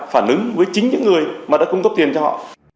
phản ứng với chính những người mà đã cung cấp tiền cho họ